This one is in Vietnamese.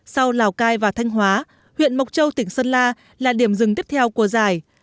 sau lào cai và thanh hóa huyện mộc châu tỉnh sơn la là điểm dừng tiếp theo của giải